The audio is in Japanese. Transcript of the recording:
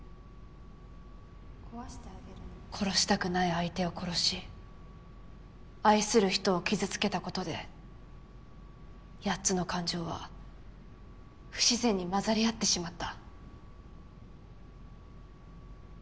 壊してあげるの殺したくない相手を殺し愛する人を傷つけたことで８つの感情は不自然に混ざり合ってしまった。